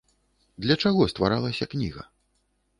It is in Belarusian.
Для чаго стваралася кніга?